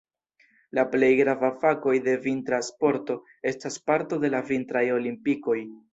La plej gravaj fakoj de vintra sporto estas parto de la Vintraj Olimpikoj.